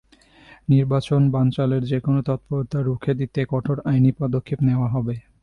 নির্বাচন বানচালের যেকোনো তৎপরতা রুখে দিতে কঠোর আইনি পদক্ষেপ নেওয়া হবে।